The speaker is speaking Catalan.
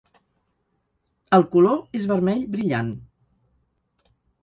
El color és vermell brillant.